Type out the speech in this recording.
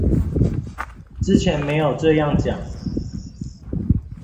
之前沒有這樣講